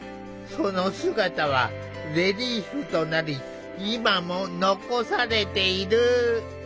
その姿はレリーフとなり今も残されている。